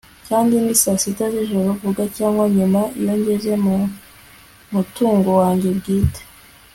kandi ni saa sita z'ijoro, vuga, cyangwa nyuma, iyo ngeze mu mutungo wanjye bwite